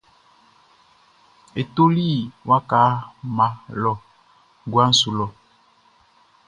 E toli waka mma lɔ guaʼn su lɔ.